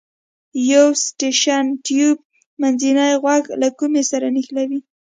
یو ستاشین تیوب منځنی غوږ له کومې سره نښلوي.